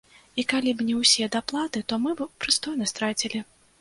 І калі б не ўсе даплаты, то мы б прыстойна страцілі.